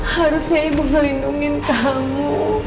harusnya ibu melindungi kamu